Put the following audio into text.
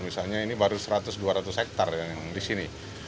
misalnya ini baru seratus dua ratus hektare yang di sini